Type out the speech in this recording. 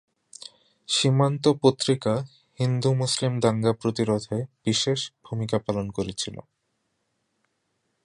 সীমান্ত পত্রিকা হিন্দু-মুসলিম দাঙ্গা প্রতিরোধে বিশেষ ভূমিকা পালন করেছিল।